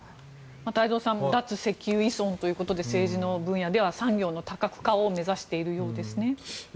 太蔵さん脱石油依存ということで政治の分野では産業の多角化を目指しているようですね。